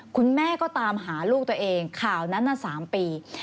คุณแม่ก็ตามหาลูกตัวเองข่าวนั้นน่ะ๓ปี